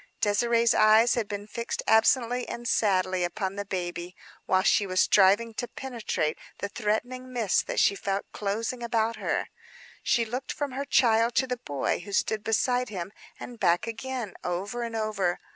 Désirée's eyes had been fixed absently and sadly upon the baby, while she was striving to penetrate the threatening mist that she felt closing about her. She looked from her child to the boy who stood beside him, and back again; over and over.